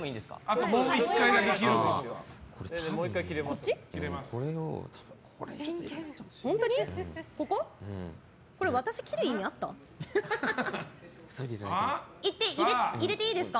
あともう１回だけ切れます。